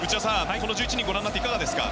この１１人をご覧になっていかがですか？